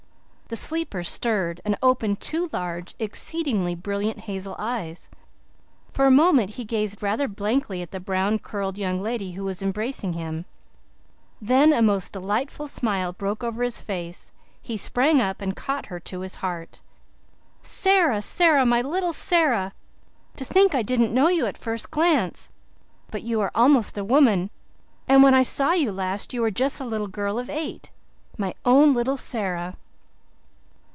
The sleeper stirred and opened two large, exceedingly brilliant hazel eyes. For a moment he gazed rather blankly at the brown curled young lady who was embracing him. Then a most delightful smile broke over his face; he sprang up and caught her to his heart. "Sara Sara my little Sara! To think didn't know you at first glance! But you are almost a woman. And when I saw you last you were just a little girl of eight. My own little Sara!"